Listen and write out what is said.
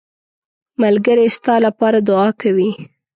ملګری ستا لپاره دعا کوي